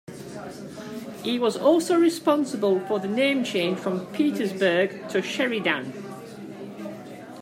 He was also responsible for the name change from Petersburg to Sheridan.